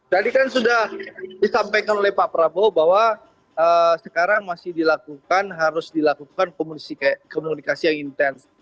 jadi kan sudah disampaikan oleh pak prabowo bahwa sekarang masih dilakukan harus dilakukan komunikasi yang intens